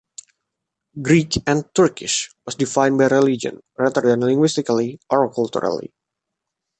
"Greek" and "Turkish" was defined by religion rather than linguistically or culturally.